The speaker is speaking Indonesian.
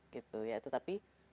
gitu ya tetapi